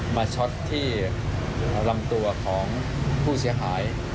ช็อตที่ลำตัวของผู้เสียหาย